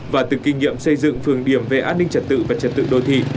và từ kinh nghiệm xây dựng phường điểm về an ninh trật tự và trật tự đô thị